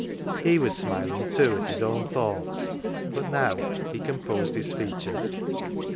He was smiling, too, at his own thoughts. But now he composed his features.